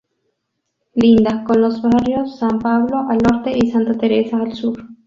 Linda con los barrios San Pablo al norte y Santa Teresa al sur.